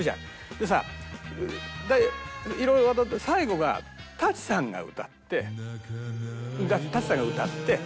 でさいろいろ終わったあと最後が舘さんが歌って舘さんが歌って。